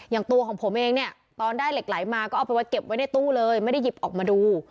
อย่างตัวของผมเองเนี่ยตอนได้เหล็กไหลมาก็เอาไปไว้เก็บไว้ในตู้เลยไม่ได้หยิบออกมาดู